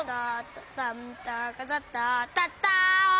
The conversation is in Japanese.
「タンタカタタタッタ」